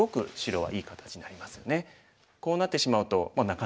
はい。